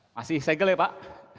masih disegel ya pak